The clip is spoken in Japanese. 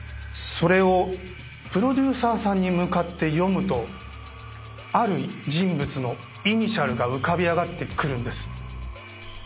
それをプロデューサーさんに向かって読むとある人物のイニシャルが浮かび上がってくるんです。